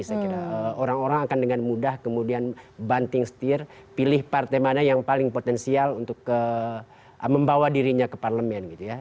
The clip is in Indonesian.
saya kira orang orang akan dengan mudah kemudian banting setir pilih partai mana yang paling potensial untuk membawa dirinya ke parlemen gitu ya